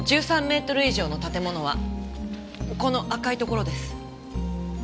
１３メートル以上の建物はこの赤いところです。